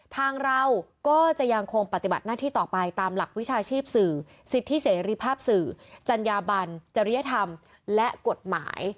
ทางเราก็จะยังคงปฏิบัติหน้าที่ต่อไปตามหลักวิชาชีพสื่อสิทธิเสรีภาพสื่อจัญญาบันจริยธรรมและกฎหมาย